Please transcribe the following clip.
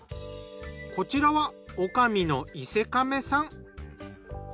こちらは女将の伊勢亀さん。